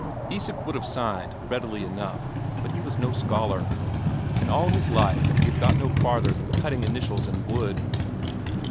Isak would have signed readily enough, but he was no scholar; in all his life he had got no farther than cutting initials in wood.